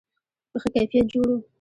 په ښه کیفیت جوړ و.